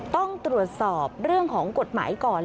ต้องตรวจสอบเรื่องของกฎหมายก่อน